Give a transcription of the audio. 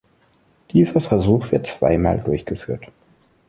Dieser Versuch wird zweimal durchgeführt.